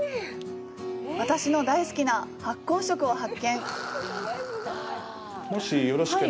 私の大好きな発酵食を発見！